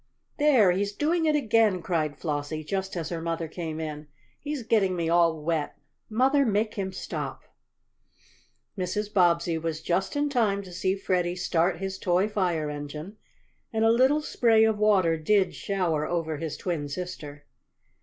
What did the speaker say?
"There, he's doing it again!" cried Flossie, just as her mother came in. "He's getting me all wet! Mother, make him stop!" Mrs. Bobbsey was just in time to see Freddie start his toy fire engine, and a little spray of water did shower over his twin sister.